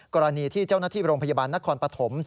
กรณีที่เจ้าหน้าที่โรงพยาบาลนครปฐม